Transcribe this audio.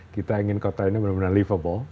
kita ingin kota ini benar benar livable